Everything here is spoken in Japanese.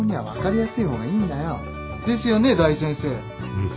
うん。